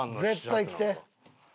絶対着て。